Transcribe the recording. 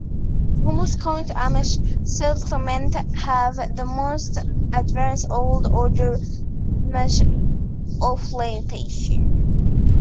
The Holmes County Amish Settlements have the most diverse Old Order Amish affiliations.